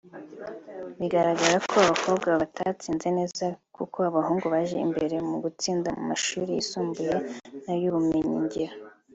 Bigaragara ko abakobwa batatsinze neza kuko abahungu baje imbere mu gutsinda mu mashuri yisumbuye n’ay’ubumenyingiro